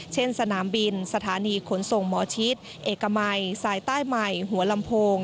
สนามบินสถานีขนส่งหมอชิดเอกมัยสายใต้ใหม่หัวลำโพง